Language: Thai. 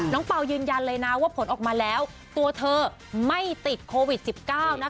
เปล่ายืนยันเลยนะว่าผลออกมาแล้วตัวเธอไม่ติดโควิด๑๙นะคะ